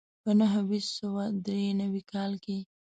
په نهه ویشت سوه دري نوي کال کې.